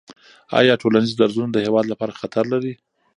آیا ټولنیز درزونه د هېواد لپاره خطر لري؟